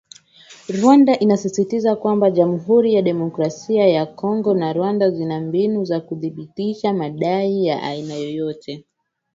Rwanda inasisitizwa kwamba Jamuhuri ya Demokrasia ya Kongo na Rwanda zina mbinu za kuthibitisha madai ya aina yoyote